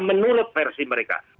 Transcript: menunut versi mereka